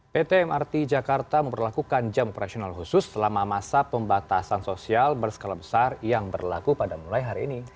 pt mrt jakarta memperlakukan jam operasional khusus selama masa pembatasan sosial berskala besar yang berlaku pada mulai hari ini